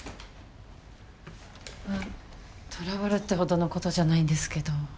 あトラブルってほどのことじゃないんですけど。